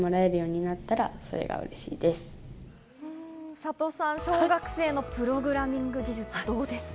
サトさん、小学生のプログラミング技術、どうですか？